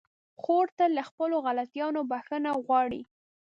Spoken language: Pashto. خور تل له خپلو غلطيانو بخښنه غواړي.